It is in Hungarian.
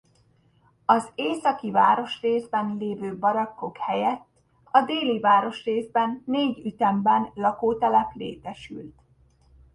Az északi városrészben lévő barakkok helyett a déli városrészben négy ütemben lakótelep létesült.